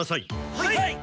はい！